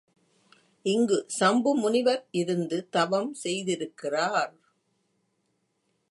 இங்கு சம்பு முனிவர் இருந்து தவம் செய்திருக்கிறார்.